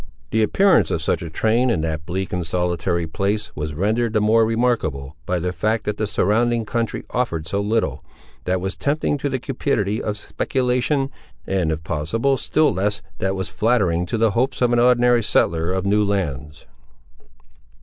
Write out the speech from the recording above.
The appearance of such a train, in that bleak and solitary place, was rendered the more remarkable by the fact, that the surrounding country offered so little, that was tempting to the cupidity of speculation, and, if possible, still less that was flattering to the hopes of an ordinary settler of new lands.